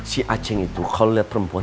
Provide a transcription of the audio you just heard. si aceh itu kalau lihat perempuan